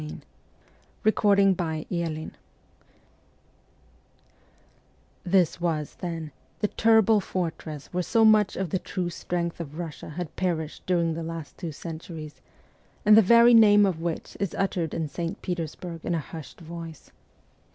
PAET FIFTH THE FORTRESS THE ESCAPE THIS was, then, the terrible fortress where so much of the true strength of Russia had perished during the last two centuries, and the very name of which is uttered in St. Petersburg in a hushed voice.